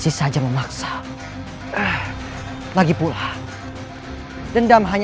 iya sytuasi pr joseph